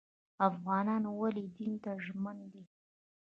افغانان ولې دین ته ژمن دي؟